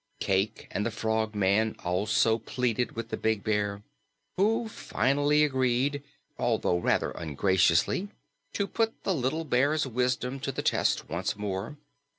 Cayke and the Frogman also pleaded with the big Bear, who finally agreed, although rather ungraciously, to put the little Bear's wisdom to the test once more.